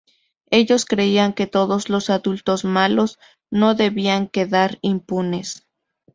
Ellos creían que todos los adultos malos no debían quedar impunes.